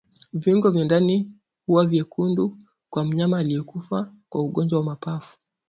Viungo vya ndani huwa vyekundu kwa mnyama aliyekufa kwa ugonjwa wa mapafu